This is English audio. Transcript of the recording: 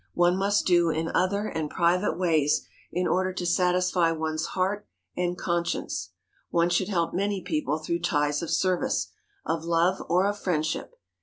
One must do in other and private ways in order to satisfy one's heart and conscience. One should help many people through ties of service, of love or of friendship.